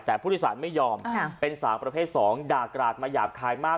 แต่ผู้โดยสารไม่ยอมเป็นสาวประเภทสองด่ากราดมาหยาบคายมาก